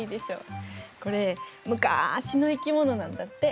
これむかしの生き物なんだって。